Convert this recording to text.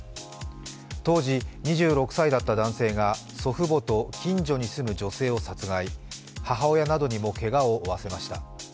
当時、２６歳だった男性が祖父母と近所に住む女性を殺害、母親などにもけがを負わせました。